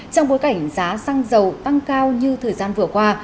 trong bối cảnh giá xăng dầu tăng cao như thời gian vừa qua